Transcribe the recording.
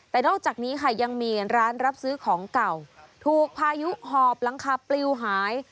แต่นอกจากนี้ค่ะยังมีร้านรับซื้อของเก่าถูกพายุหอบหลังคาปลิวหาย